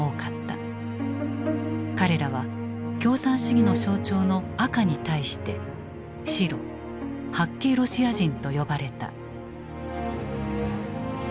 彼らは共産主義の象徴の「赤」に対して「白」「白系ロシア人」と呼ばれた。